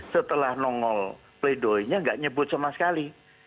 setelah nongol pleidoynya nggak nyebut sama sekali